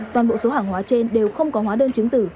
toàn bộ số hàng hóa trên đều không có hóa đơn chứng tử